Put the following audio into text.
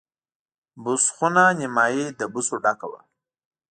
بوس خونه نیمایي له بوسو ډکه وه.